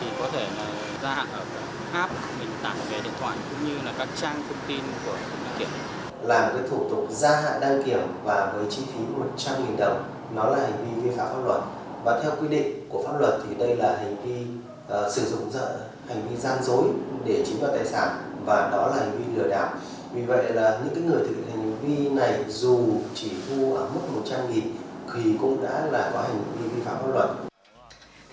vì vậy là những người thực hiện hành vi này dù chỉ thu mức một trăm linh thì cũng đã là hành vi vi phá pháp luật